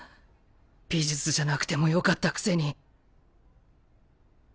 美術じゃなくてもよかったくせに。